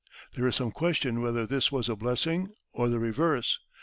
There is some question whether this was a blessing or the reverse.